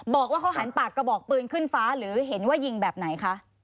บอกว่าเขาหันปากกระบอกปืนขึ้นฟ้าหรือเห็นว่ายิงแบบไหนคะ